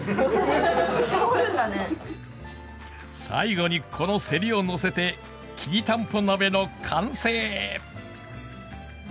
最後にこのセリを載せてきりたんぽ鍋の完成！